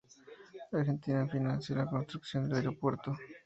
Argentina financió la construcción del aeropuerto.